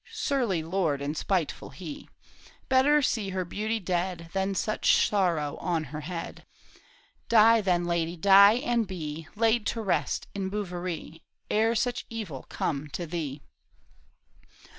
Surly lord and spiteful he ; Better see her beauty dead Than such sorrow on her head ! Die, then, lady, die and be Laid to rest in Bouverie, Ere such evil come to thee